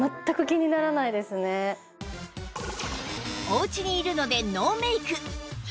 おうちにいるのでノーメイク